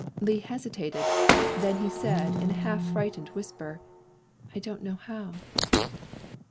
Lee hesitated, and then said in a half frightened whisper, "I don't know how."